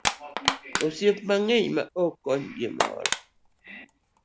Osiepe ngeny maok kony gimoro.